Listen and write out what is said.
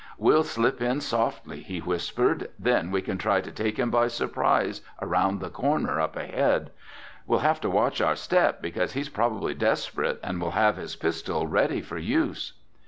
"We'll slip in softly," he whispered. "Then we can try to take him by surprise around the corner up ahead. We'll have to watch our step because he's probably desperate and will have his pistol ready for use."